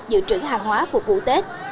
dự trữ hàng hóa phục vụ tết